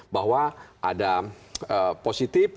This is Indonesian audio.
bahwa ada positif